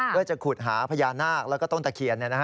เพื่อจะขุดหาพญานาคแล้วก็ต้นตะเคียน